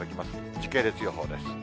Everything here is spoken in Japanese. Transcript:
時系列予報です。